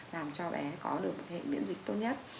làm cho bé có được một cái miễn dịch tốt nhất